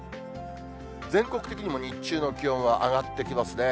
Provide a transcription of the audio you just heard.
全国的にも日中の気温は上がってきますね。